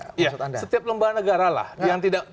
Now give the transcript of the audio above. setiap lembaga negara lah yang tidak